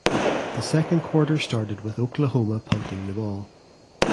The second quarter started with Oklahoma punting the ball.